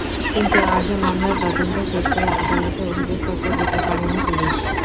কিন্তু আজও মামলার তদন্ত শেষ করে আদালতে অভিযোগপত্র দিতে পারেনি পুলিশ।